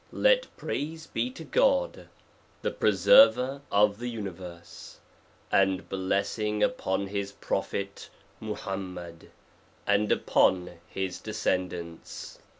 praise be to GOD, the Preserver of the universe j and blessing upon his prophet MUHAM MED, and upon his descendants.